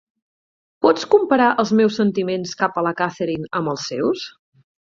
Pots comparar els meus sentiments cap a la Catherine amb els seus?